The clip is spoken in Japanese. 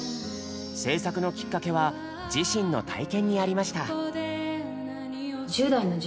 制作のきっかけは自身の体験にありました。